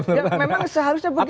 ya memang seharusnya begitu